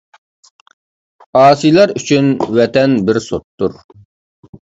ئاسىيلار ئۈچۈن ۋەتەن بىر سوتتۇر.